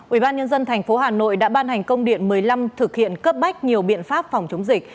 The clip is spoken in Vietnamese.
ubnd tp hà nội đã ban hành công điện một mươi năm thực hiện cấp bách nhiều biện pháp phòng chống dịch